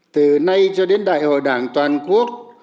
từ nay cho đến đại hội đảng toàn quốc